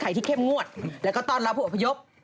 ใครที่เข้มงวดแล้วก็ต้อนรับหัวพยพ